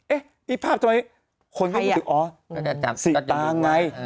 เอ๊ะนี่ภาพทำไม